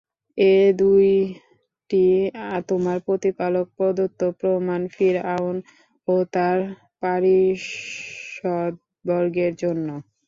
এ দুটি তোমার প্রতিপালক প্রদত্ত প্রমাণ, ফিরআউন ও তার পারিষদবর্গের জন্য।